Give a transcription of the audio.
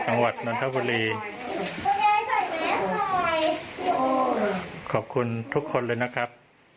จังหวัดนนทบุรีขอบคุณทุกคนเลยนะครับ